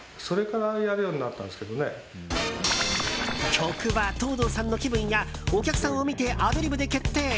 曲は、藤堂さんの気分やお客さんを見てアドリブで決定。